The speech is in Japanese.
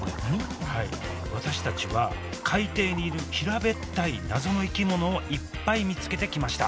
はい私たちは海底にいる平べったい謎の生き物をいっぱい見つけてきました。